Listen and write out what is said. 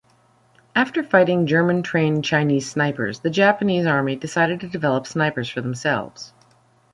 After fighting German-trained Chinese snipers, the Japanese Army decided to develop snipers for themselves.